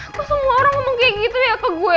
kok semua orang ngomong kayak gitu ya ke gue